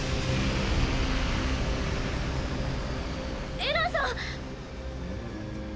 エランさん。